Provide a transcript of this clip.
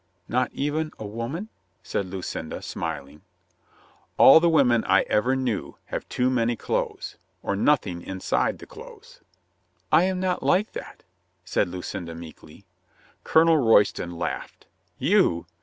"Not even a woman ?" said Lucinda, smiling. "All the women I ever knew have too many clothes — or nothing inside the clothes." "I am not like that," said Lucinda meekly. Colonel Royston laughed. "You